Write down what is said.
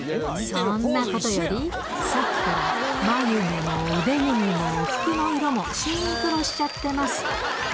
そんなことより、さっきから、眉毛も腕組みも服の色もシンクロしちゃってます。